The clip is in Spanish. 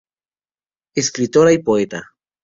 Escritora y poeta.